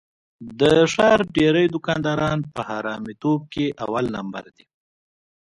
د ښار ډېری دوکانداران په حرامتوب کې اول لمبر دي.